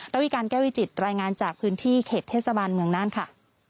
ระวิการแก้วิจิตรายงานจากพื้นที่เขตเทศบาลเมืองน่านค่ะ